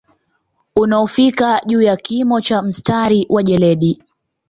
Unaofika juu ya kimo cha mstari wa jeledi